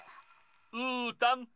うーたん！